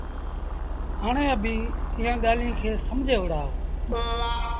هآڻي اڀيٚنٚ ايٚئآنٚ ڳآليٚنٚ کي سمجھي وهُڙآ اهو